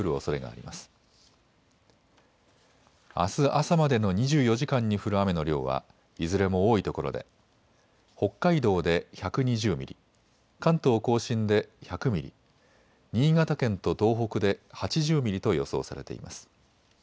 あす朝までの２４時間に降る雨の量はいずれも多いところで北海道で１２０ミリ、関東甲信で１００ミリ、新潟県と東北で８０ミリと予想されています。